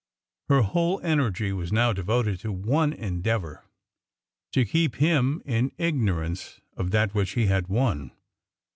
Her whole energy was now devoted to one endeavour to keep him in ignorance of that which he had won.